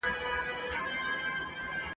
ښوونکی زده کوونکو ته د علم ارزښت بیانوي.